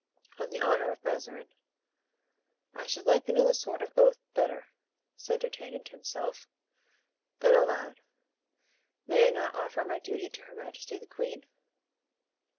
"On the honor of Mazarin." "I should like another sort of oath better," said D'Artagnan to himself; then aloud, "May I not offer my duty to her majesty the queen?"